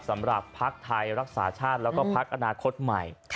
สำหรับพักธัยรักษาชาติแล้วก็พักอนาคตใหม่